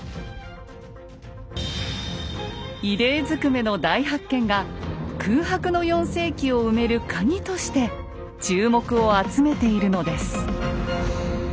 異例ずくめの大発見が空白の４世紀を埋めるカギとして注目を集めているのです。